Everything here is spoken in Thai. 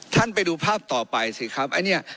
ท่านไปดูภาพต่อไปสิครับ